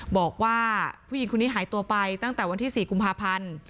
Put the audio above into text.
บอกว่าผู้หญิงคนนี้หายตัวไปตั้งแต่วันที่๔กุมภาพันธ์